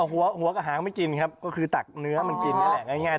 หัวกระหางไม่กินครับก็คือตักเนื้อมันกินนี่แหละง่าย